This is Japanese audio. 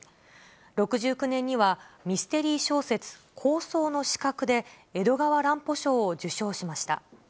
６９年にはミステリー小説、高層の死角で、江戸川乱歩賞を受賞しました。